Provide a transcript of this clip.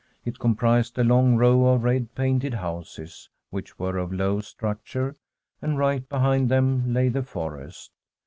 It com prised a long row of red painted houses, which were of low structure, and right behind them lay the forest.